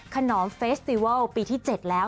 ขนอมเฟสติวัลปีที่๗แล้ว